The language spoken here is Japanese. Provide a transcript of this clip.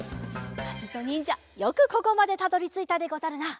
かずとにんじゃよくここまでたどりついたでござるな。